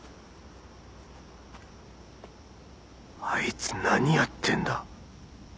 あいつ何やってんだ？